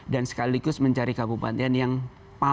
sekaligus mencari kabupaten yang paling